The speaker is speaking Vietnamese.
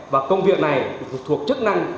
và công việc này thuộc chức năng